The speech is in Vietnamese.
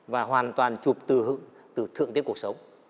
và hoàn toàn chụp từ thượng tiên cuộc sống